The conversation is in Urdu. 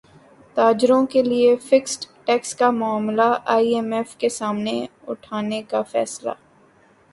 تاجروں کیلئے فکسڈ ٹیکس کا معاملہ ائی ایم ایف کے سامنے اٹھانے کا فیصلہ